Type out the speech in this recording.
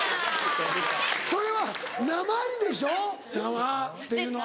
それはなまりでしょ「生」っていうのは。